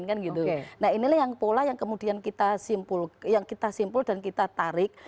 nah inilah yang pola yang kemudian kita simpul dan kita tarik